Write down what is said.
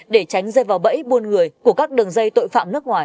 để tránh rơi vào bẫy buôn người của các đường dây tội phạm nước ngoài